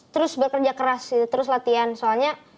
terus bekerja keras terus latihan soalnya